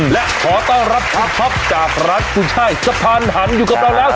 และขอต้อนรับคุณท็อปจากร้านกุ้ยช่ายสะพานหันอยู่กับเราแล้วสวัสดีครับ